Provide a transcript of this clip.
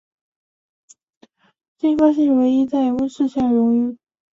富勒烯是迄今发现的唯一在室温下溶于常规溶剂的碳同素异性体。